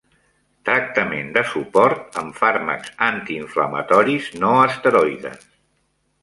Tractament de suport amb fàrmacs antiinflamatoris no esteroides.